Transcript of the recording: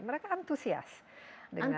mereka antusias dengan perayaan ini